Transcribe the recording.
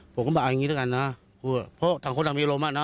ผมก็บอกอย่างนี้แล้วกันนะเพราะต่างคนต่างมีอารมณ์อ่ะนะ